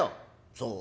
「そう？